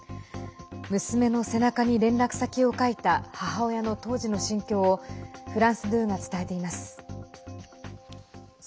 娘の背中に連絡先を書いた母親の当時の心境をフランス２が伝えています。